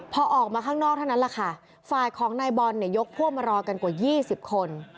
พอออกมาข้างนอกเท่านั้นฝ่ายของนายบอลยกพ่อมารอกันกว่า๒๐คน